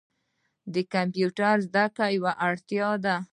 د کمپیوټر زده کړه یوه اړتیا ده.